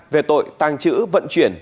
về tội tăng chữ vận chuyển